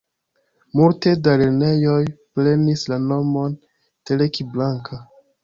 Multe da lernejoj prenis la nomon Teleki Blanka.